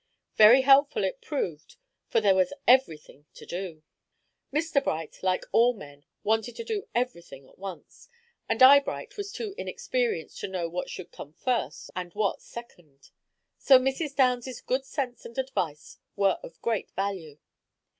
Very helpful it proved, for there was every thing to do. Mr. Bright, like all men, wanted to do every thing at once, and Eyebright was too inexperienced to know what should come first and what second; so Mrs. Downs's good sense and advice were of great value.